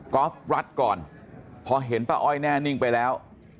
อล์ฟรัดก่อนพอเห็นป้าอ้อยแน่นิ่งไปแล้ว